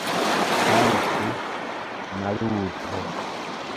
Haltu, Maluto!